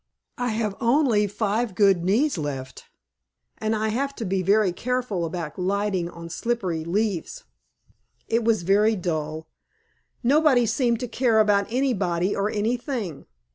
I have only five good knees left, and I have to be very careful about lighting on slippery leaves." It was very dull. Nobody seemed to care about anybody or anything.